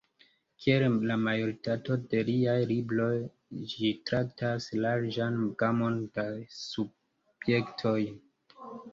Kiel la majoritato de liaj libroj, ĝi traktas larĝan gamon da subjektoj.